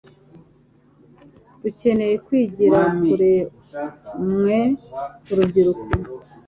Dukeneye kwigira kuri mwe urubyiruko